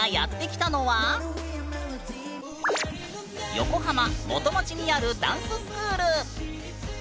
横浜元町にあるダンススクール！